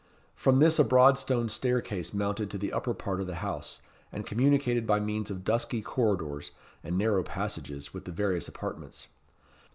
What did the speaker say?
From this a broad stone staircase mounted to the upper part of the house, and communicated by means of dusky corridors and narrow passages with the various apartments.